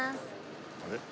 あれ？